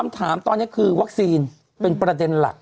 คำถามตอนนี้คือวัคซีนเป็นประเด็นหลัก